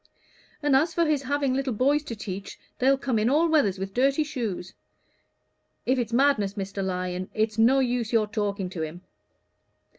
And as for him having little boys to teach, they'll come in all weathers with dirty shoes. If it's madness, Mr. Lyon, it's no use your talking to him."